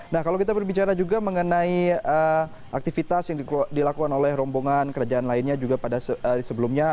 nah kalau kita berbicara juga mengenai aktivitas yang dilakukan oleh rombongan kerajaan lainnya juga pada sebelumnya